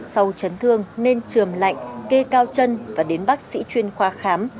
sau chấn thương nên trường lạnh kê cao chân và đến bác sĩ chuyên khoa khám